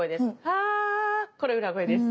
ハこれ裏声です。